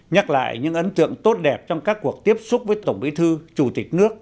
nhắc lại những ấn tượng tốt đẹp trong các cuộc tiếp xúc với tổng bí thư chủ tịch nước